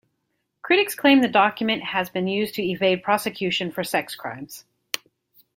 Critics claim the document has been used to evade prosecution for sex crimes.